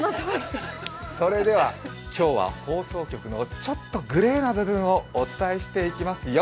それでは今日は放送局のちょっとグレーな部分をお伝えしていきますよ。